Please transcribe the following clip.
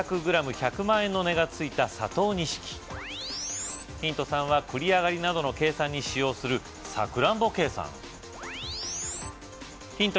１００万円の値がついた「佐藤錦」ヒント３は繰り上がりなどの計算に使用するヒント